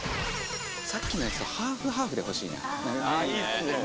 さっきのやつとハーフハーフで欲しいなああいいっすね